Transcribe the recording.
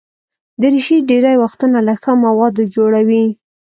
دریشي ډېری وختونه له ښه موادو جوړه وي.